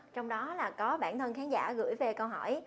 trong đó là có bản thân khán giả gửi về câu hỏi